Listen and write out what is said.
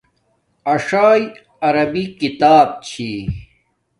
اݽݵ عربی کتاب چھی